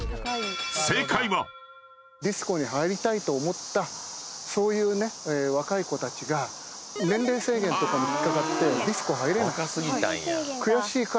ディスコに入りたいと思ったそういうね若い子たちが年齢制限とかに引っ掛かってディスコ入れない。